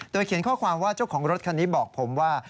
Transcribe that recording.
เขียนข้อความว่าเจ้าของรถคันนี้บอกผมว่า